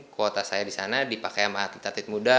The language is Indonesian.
kuota saya di sana dipakai sama atlet atlet muda